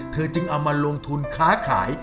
จึงเอามาลงทุนค้าขาย